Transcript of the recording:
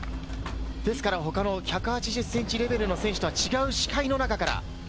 ですから他の１８０ｃｍレベルの選手とは違う視界の中から。